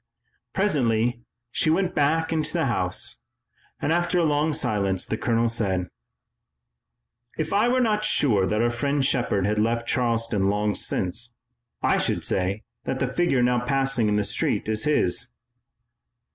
Presently she went back into the house. After a long silence the colonel said: "If I were not sure that our friend Shepard had left Charleston long since, I should say that the figure now passing in the street is his."